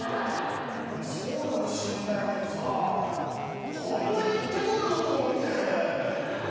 そうかもしんないけどさ、こんな言ってくる！？と思って。